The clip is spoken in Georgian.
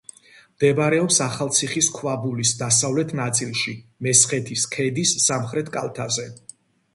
მდებარეობს ახალციხის ქვაბულის დასავლეთ ნაწილში, მესხეთის ქედის სამხრეთ კალთაზე.